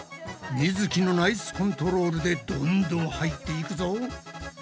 みづきのナイスコントロールでどんどん入っていくぞ！